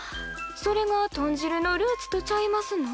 それが豚汁のルーツとちゃいますの？